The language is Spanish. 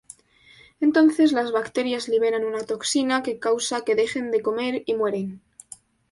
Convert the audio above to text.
Entonces, las bacterias liberan una toxina que causa que dejen de comer y mueren.